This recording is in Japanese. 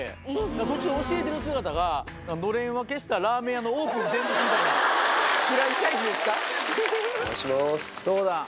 途中教えてる姿が、のれん分けしたラーメン屋のオープン前日みたフランチャイズですか？